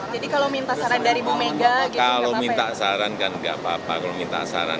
jadi kalau minta saran dari bumega kalau minta saran kan gak apa apa